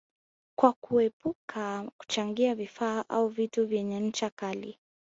kwa kuepuka kuchangia vifaa au vitu vyenye ncha kali